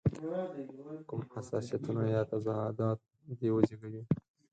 کوم حساسیتونه یا تضادات دې وزېږوي.